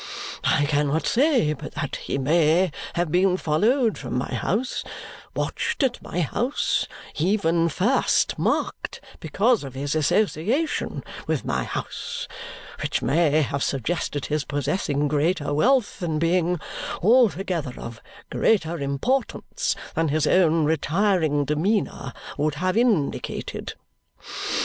I cannot say but that he may have been followed from my house, watched at my house, even first marked because of his association with my house which may have suggested his possessing greater wealth and being altogether of greater importance than his own retiring demeanour would have indicated.